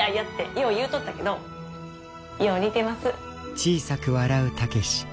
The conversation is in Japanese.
よう言うとったけどよう似てます。